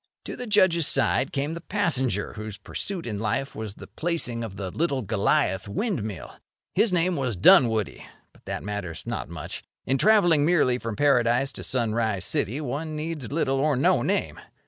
To the Judge's side came the passenger whose pursuit in life was the placing of the Little Goliath windmill. His name was Dunwoody; but that matters not much. In travelling merely from Paradise to Sunrise City one needs little or no name.